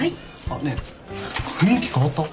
あっねえ雰囲気変わった？